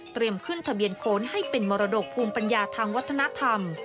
เตรียมขึ้นทะเบียนโคนให้เป็นมรดกภูมิภาคธรรม